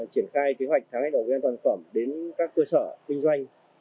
triển khai kế hoạch tháng một của vệ sinh an toàn thực phẩm đến các cơ sở kinh doanh